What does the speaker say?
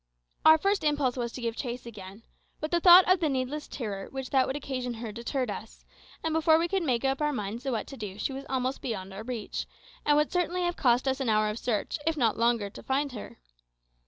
Our first impulse was to give chase again, but the thought of the needless terror which that would occasion her deterred us, and before we could make up our minds what to do she was almost beyond our reach, and would certainly have cost us an hour of search, if not longer, to find her.